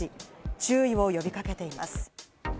注意を呼び掛けています。